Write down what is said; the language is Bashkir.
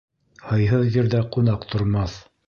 Һыйһыҙ ерҙә ҡунаҡ тормаҫ.